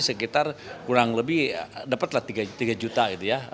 sekitar kurang lebih dapatlah tiga juta gitu ya